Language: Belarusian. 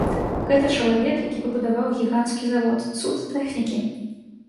Гэта чалавек, які пабудаваў гіганцкі завод, цуд тэхнікі.